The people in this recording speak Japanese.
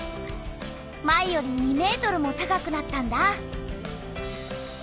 前より２ｍも高くなったんだ。